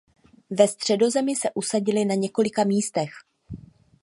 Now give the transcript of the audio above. Ve Středozemi se usadili na několika místech.